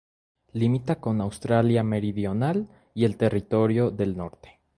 Limita con Australia Meridional y el Territorio del Norte.